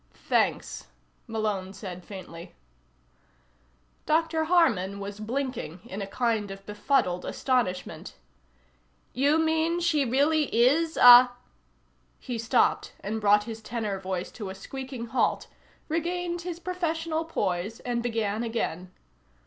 "Thanks," Malone said faintly. Dr. Harman was blinking in a kind of befuddled astonishment. "You mean she really is a " He stopped and brought his tenor voice to a squeaking halt, regained his professional poise, and began again.